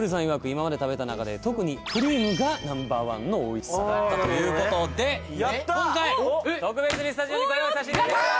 今まで食べた中で特にクリームがナンバーワンのおいしさだったということで今回特別にスタジオにご用意させていただきました！